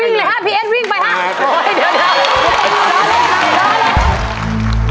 วิ่งเลยนะพี่เอ๊สวิ่งไปครับปรอโจทย์อยู่กล้อบ